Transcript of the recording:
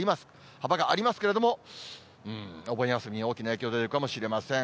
幅がありますけれども、お盆休み、大きな影響が出るかもしれません。